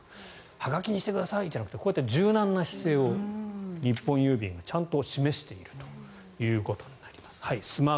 はがきにしてくださいじゃなくてこうやって柔軟な姿勢を日本郵便がちゃんと示しているということになります。